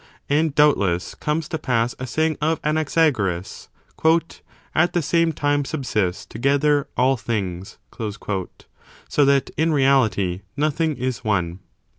And, doubtless, comes to pass a saying of Anaxagoras :^ "at the same time subsist together all things," so that, in reality, nothing is one.